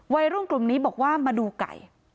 วัยรุ่นกลุ่มนี้บอกว่ามาดูไก่